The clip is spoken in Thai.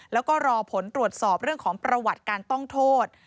แล้วก็รอผลตรวจสอบเรื่องของประวัติการต้องโทษ